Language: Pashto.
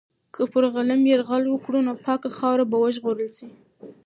که پر غلیم یرغل وکړي، نو پاکه خاوره به وژغورل سي.